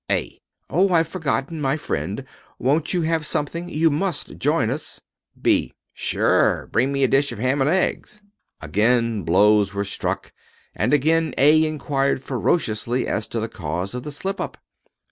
A Oh, I've forgotten my friend. Won't you have something? You must join us. B Sure, bring me a dish of ham and eggs. Again blows were struck and again A inquired ferociously as to the cause of the slip up.